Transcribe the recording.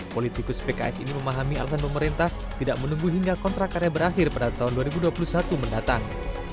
politikus pks ini memahami alasan pemerintah tidak menunggu hingga kontrak karya berakhir pada tahun dua ribu dua puluh satu mendatang